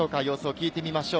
聞いてみましょう。